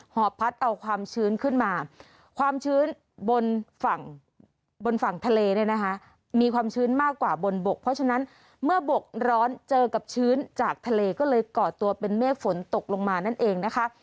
อบพัดเอาความชื้นขึ้นมาความชื้นบนฝั่งบนฝั่งทะเลเนี่ยนะคะมีความชื้นมากกว่าบนบกเพราะฉะนั้นเมื่อบกร้อนเจอกับชื้นจากทะเลก็เลยก่อตัวเป็นเมฆฝนตกลงมานั่นเองนะคะ